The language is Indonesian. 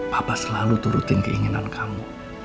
papa selalu turutin keinginan kamu